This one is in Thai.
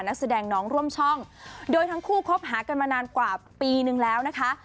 นักแสดงน้องร่วมช่องโดยทั้งคู่คบหากันมานานกว่าปีนึงแล้วนะคะ